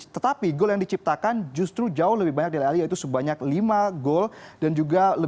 tetapi gol yang diciptakan justru jauh lebih banyak dele ali yaitu sebanyak lima gol